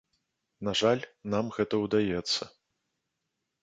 На жаль, нам гэта ўдаецца.